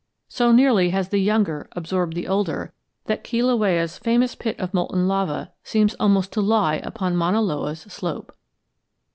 So nearly has the younger absorbed the older, that Kilauea's famous pit of molten lava seems almost to lie upon Mauna Loa's slope.